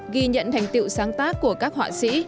ghi nhận thành tựu sáng tác của các họa sĩ